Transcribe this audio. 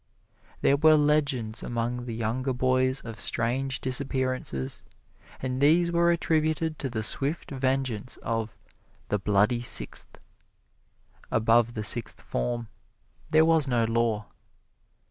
There were legends among the younger boys of strange disappearances, and these were attributed to the swift vengeance of "The Bloody Sixth." Above the Sixth Form there was no law.